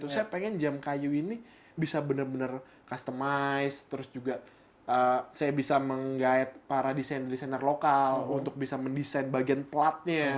saya pengen jam kayu ini bisa benar benar customize terus juga saya bisa menggayat para desainer desainer lokal untuk bisa mendesain bagian platnya